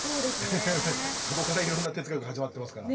そこからいろんな哲学が始まってますから。